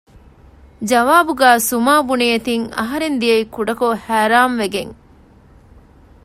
ޖަވާބުގައި ސުމާބުނިއެތިން އަހަރެން ދިޔައީ ކުޑަކޮށް ހައިރާން ވެގެން